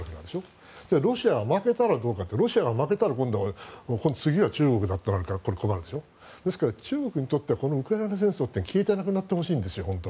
それでロシアが負けたらどうかってロシアが負けたら今度は次は中国だとなったら困るですから中国にとってはこのウクライナ戦争って消えてなくなってほしいんですよ。